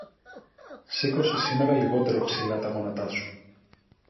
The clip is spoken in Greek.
Σήκωσε σήμερα λιγότερο ψηλά τα γόνατα σου